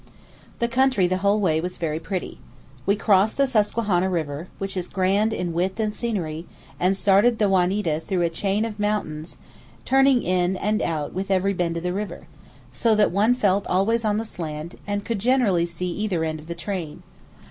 The country the whole way was very pretty. We crossed the Susquehana river, which is grand in width and scenery, and started the Juanita through a chain of mountains turning in and out with every bend of the river, so that one felt always on the slant and could generally see either end of the train.